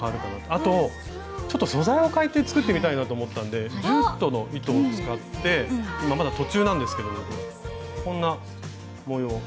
あとちょっと素材をかえて作ってみたいなと思ったんでジュートの糸を使って今まだ途中なんですけどこんな模様。